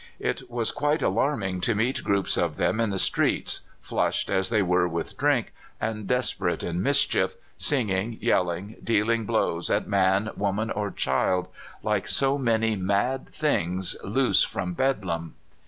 "It was quite alarming to meet groups of them in the streets, flushed as they were with drink, and desperate in mischief, singing, yelling, dealing blows at man, woman, or child like so many mad things loose from Bedlam.